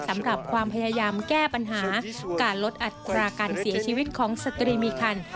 สำหรับความพยายามแก้ปัญหาการลดอัตราการเสียชีวิตของสตรีมีคัน